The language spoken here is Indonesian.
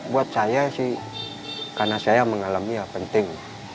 buat saya sih karena saya mengalami yang penting